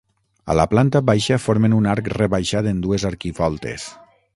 A la planta baixa formen un arc rebaixat en dues arquivoltes.